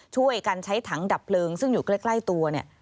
ช่วยกันใช้ถังดับเพลิงซึ่งอยู่ใกล้ตัวเนี่ย